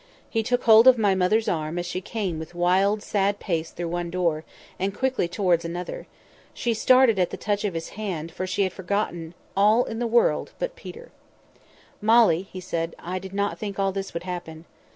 He took hold of my mother's arm as she came with wild, sad pace through one door, and quickly towards another. She started at the touch of his hand, for she had forgotten all in the world but Peter. "'Molly!' said he, 'I did not think all this would happen.